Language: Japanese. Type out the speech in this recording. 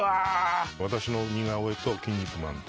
私の似顔絵とキン肉マンと。